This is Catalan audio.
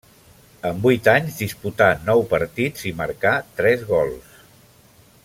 En vuit anys disputà nou partits i marcà tres gols.